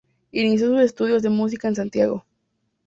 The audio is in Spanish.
Inició sus estudios de música en Santiago.